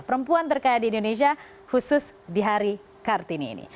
perempuan terkaya di indonesia khusus di hari kartini ini